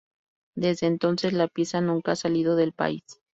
Desde entonces, la pieza nunca ha salido del país.